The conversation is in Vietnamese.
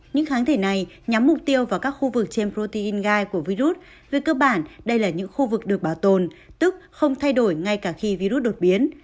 những kháng thể này nhắm mục tiêu vào các khu vực trên protein gai của virus về cơ bản đây là những khu vực được bảo tồn tức không thay đổi ngay cả khi virus đột biến